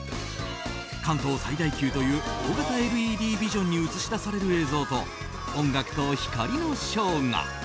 関東最大級という大型ＬＥＤビジョンに映し出される映像と音楽と光のショーが。